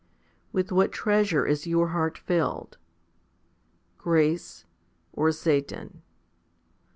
With what treasure is your heart filled ? grace, or Satan?